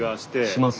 しますね。